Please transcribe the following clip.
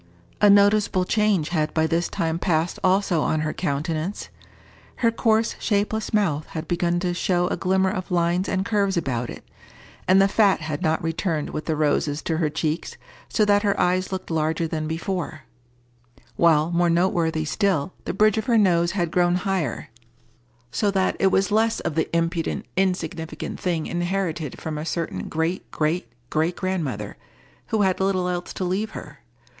A noticeable change had by this time passed also on her countenance. Her coarse shapeless mouth had begun to show a glimmer of lines and curves about it, and the fat had not returned with the roses to her cheeks, so that her eyes looked larger than before; while, more noteworthy still, the bridge of her nose had grown higher, so that it was less of the impudent, insignificant thing inherited from a certain great great great grandmother, who had little else to leave her.